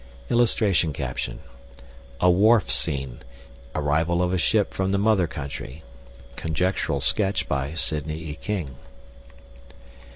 [Illustration: A WHARF SCENE ARRIVAL OF A SHIP FROM THE MOTHER COUNTRY. (Conjectural sketch by Sidney E. King.)